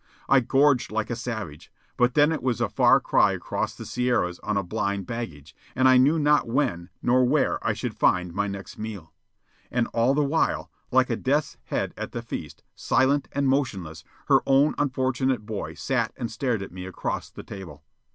I gorged like a savage; but then it was a far cry across the Sierras on a blind baggage, and I knew not when nor where I should find my next meal. And all the while, like a death's head at the feast, silent and motionless, her own unfortunate boy sat and stared at me across the table.